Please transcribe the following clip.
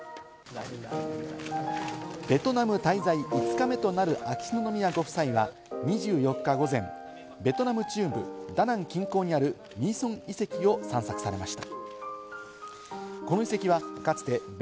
ベトナム滞在５日目となる秋篠宮ご夫妻は、２４日午前、ベトナム中部ダナン近郊にあるミーソン遺跡を散策されました。